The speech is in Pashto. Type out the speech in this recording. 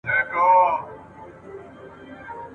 له جهاني څخه به اورو یو کتاب غزلي ..